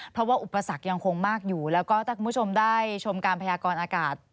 เพราะว่าอุปสรรคยังคงมากอยู่แล้วก็ถ้าคุณผู้ชมได้ชมการพยากรอากาศ